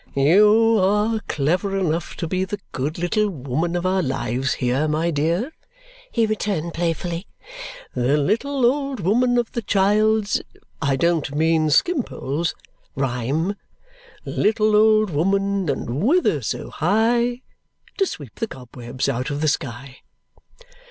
"You are clever enough to be the good little woman of our lives here, my dear," he returned playfully; "the little old woman of the child's (I don't mean Skimpole's) rhyme: "'Little old woman, and whither so high?' 'To sweep the cobwebs out of the sky.'